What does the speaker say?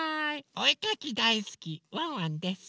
おえかきだいすきワンワンです。